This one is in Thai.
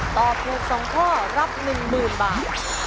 ตอบถูก๒ข้อรับ๑๐๐๐บาท